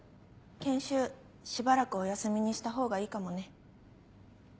研修しばらくお休みにしたほうがいいかもね。